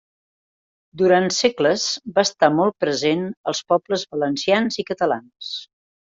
Durant segles, va estar molt present als pobles valencians i catalans.